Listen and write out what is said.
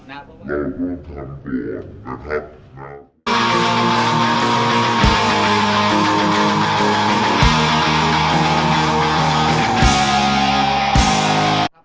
เราต้องทำก่อนนะครับ